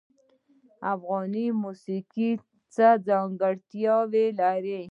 افغاني موسیقی څه ځانګړتیا لري؟